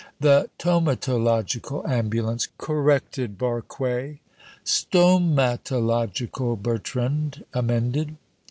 '" "The tomatological ambulance," corrected Barque. "Stomatological," Bertrand amended.